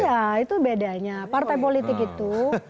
iya itu bedanya partai politik itu